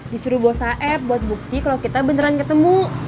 disuruh bawa sahab buat bukti kalau kita beneran ketemu